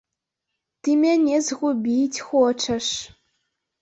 Ты мяне згубіць хочаш!